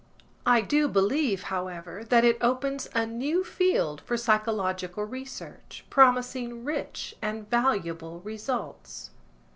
I do believe, however, that it opens a new field for psychological research, promising rich and valuable results.